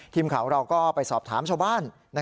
ทีมข่าวเราก็ไปสอบถามชาวบ้าน